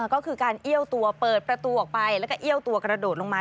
ก็คือการเอี้ยวตัวเปิดประตูออกไปแล้วก็เอี้ยวตัวกระโดดลงมา